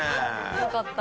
よかった。